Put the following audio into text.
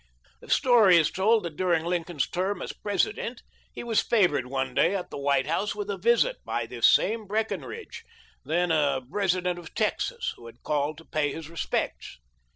The story is told that during Lin coln's term as President, he was favored one day at the White House with a visit by this same Brecken ridge, then a resident of Texas, who had called to pay his respects.